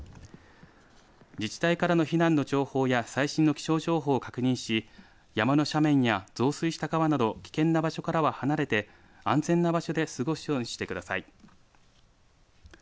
自治体からの避難の情報や最新の気象情報を確認し山の斜面や増水した川など危険な場所からは離れて安全な場所で過ごすようにしてください。